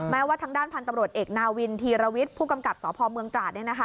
ว่าทางด้านพันธุ์ตำรวจเอกนาวินธีรวิทย์ผู้กำกับสพเมืองตราด